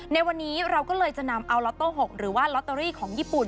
ในวันนี้เราก็เลยจะนำเอาล็อตโต้๖หรือว่าลอตเตอรี่ของญี่ปุ่น